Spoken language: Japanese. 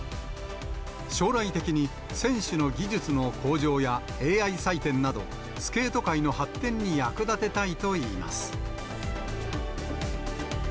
将来的に選手の技術の向上や、ＡＩ採点など、スケート界の発展に役立てたいといいます。